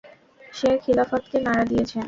সে খিলাফতকে নাড়া দিয়েছেন।